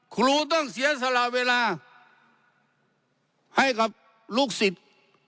ครูต้องเสียสละเวลาให้กับลูกศิษย์